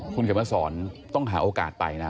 คุณเขียนมาสอนต้องหาโอกาสไปนะ